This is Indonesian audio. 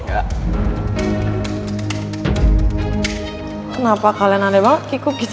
kenapa kalian ada banget kikub gitu